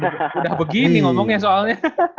udah begini ngomongnya soalnya